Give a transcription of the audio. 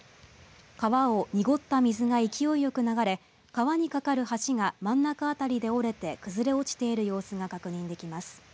川を濁った水が勢いよく流れ川に架かる橋が真ん中辺りで折れて崩れ落ちている様子が確認できます。